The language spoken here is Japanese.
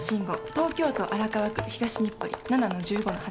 東京都荒川区東日暮里７の１５の８。